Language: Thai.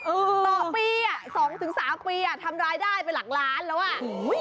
โอ้โฮคุณต่อปี๒๓ปีทำรายได้ไปหลักล้านแล้ว